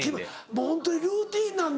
もうホントにルーティンなんだ。